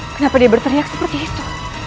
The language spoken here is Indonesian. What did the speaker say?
kenapa dia berteriak seperti itu